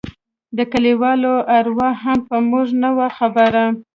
د کليوالو اروا هم په موږ نه وه خبره.